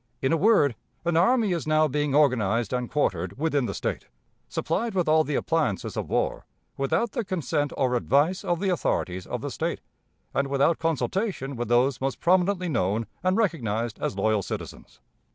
In a word, an army is now being organized and quartered within the State, supplied with all the appliances of war, without the consent or advice of the authorities of the State, and without consultation with those most prominently known and recognized as loyal citizens.